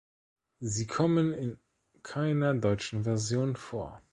Sie kommen in keiner deutschen Version vor.